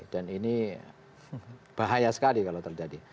dan ini bahaya sekali kalau terjadi